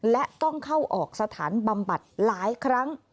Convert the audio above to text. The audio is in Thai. และต้องเข้าออกสถานบำบัดหลายครั้ง